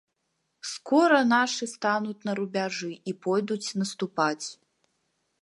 Скора нашы стануць на рубяжы і пойдуць наступаць.